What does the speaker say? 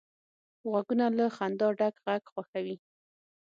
غوږونه له خندا ډک غږ خوښوي